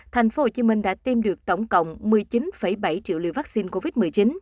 tiêm được tổng cộng một mươi chín bảy triệu liều vaccine covid một mươi chín